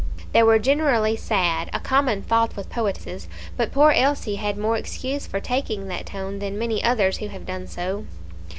They were generally sad, a common fault with poetesses; but poor Elsie had more excuse for taking that tone than many others who have done so.